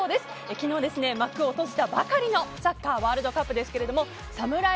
昨日、幕を閉じたばかりのサッカーワールドカップですがサムライ